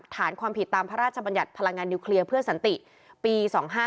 ฐานความผิดตามพระราชบัญญัติพลังงานนิวเคลียร์เพื่อสันติปี๒๕๕